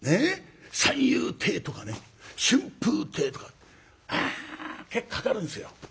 「三遊亭」とかね「春風亭」とか結構かかるんですよ。